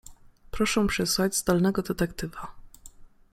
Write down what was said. Proszę przysłać zdolnego detektywa.